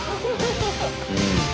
うん。